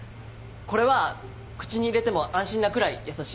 これは口に入れても安心なくらいやさしい。